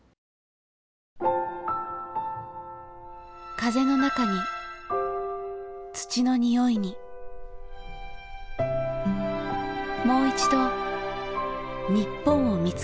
風の中に土の匂いにもういちど日本を見つける。